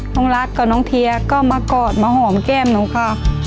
น้องรักกับน้องเทียก็มากอดมาหอมแก้มหนูค่ะ